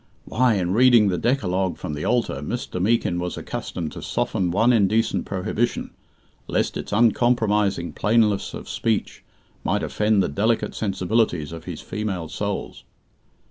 Why, in reading the Decalogue from the altar, Mr. Meekin was accustomed to soften one indecent prohibition, lest its uncompromising plainness of speech might offend the delicate sensibilities of his female souls!